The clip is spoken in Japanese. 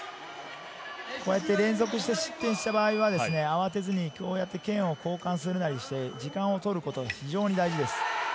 こうやって連続して失点した場合は慌てずに、こうやって剣を交換するなりして時間を取ることが非常に大事です。